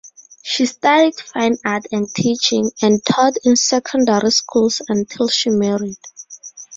She studied fine art and teaching, and taught in secondary schools until she married.